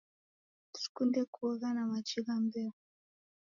Sikunde kuogha na machi gha mbeo